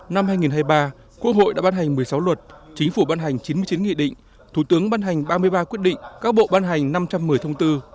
năm hai nghìn hai mươi ba quốc hội đã ban hành một mươi sáu luật chính phủ ban hành chín mươi chín nghị định thủ tướng ban hành ba mươi ba quyết định các bộ ban hành năm trăm một mươi thông tư